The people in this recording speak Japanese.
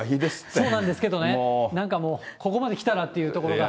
そうなんですけどね、なんか、ここまできたらっていうところが。